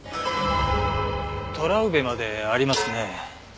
トラウベまでありますね。